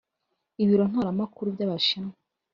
Ibiro Ntaramakuru by’Abashinwa